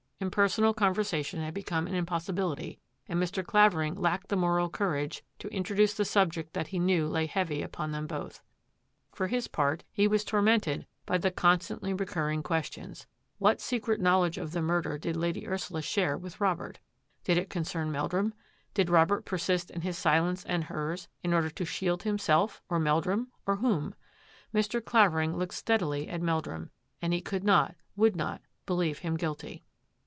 Impersonal conversation had become an impossibility, and Mr. Clavering lacked the moral courage to introduce the subject that he knew lay heavy upon them both. For his part, he was tormented by the constantly recurring ques tions: "What secret knowledge of the murder did Lady Ursula share with Robert ; did it concern Meldrum; did Robert persist in his silence and hers in order to shield himself, or Meldrum, or whom ?" Mr. Clavering looked steadily at Mel drum, and he could not, would not, believe him guilty.